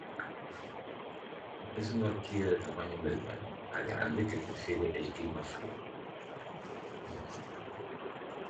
Es una orquídea de tamaño mediano a grande que prefiere el clima frío.